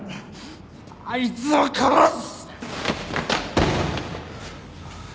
あいつを殺す！